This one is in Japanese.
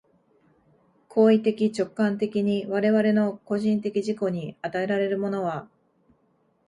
行為的直観的に我々の個人的自己に与えられるものは、